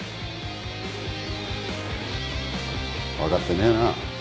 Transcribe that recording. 分かってねえな。